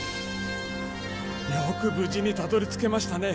よく無事にたどり着けましたね。